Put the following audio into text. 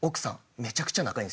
めちゃくちゃ仲いいんですよ。